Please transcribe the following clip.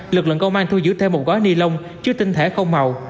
lực lượng công an thu giữ thêm một gói ni lông chứa tinh thể không màu